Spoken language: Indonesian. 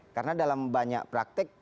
karena dalam banyak praktik